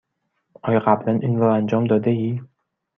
آیا قبلا این را انجام داده ای؟